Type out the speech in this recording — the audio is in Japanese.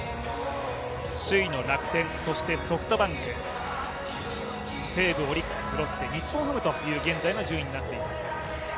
首位の楽天、そしてソフトバンク、西武、オリックス、ロッテ、日本ハムという現在の順位になっています。